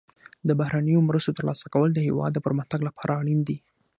د بهرنیو مرستو ترلاسه کول د هیواد د پرمختګ لپاره اړین دي.